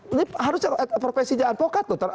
ini harusnya profesi di adpokat